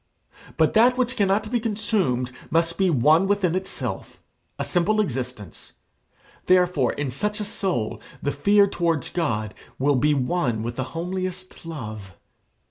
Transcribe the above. But that which cannot be consumed must be one within itself, a simple existence; therefore in such a soul the fear towards God will be one with the homeliest love.